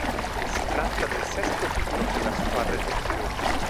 Si tratta del sesto titolo per la squadra di Kiev.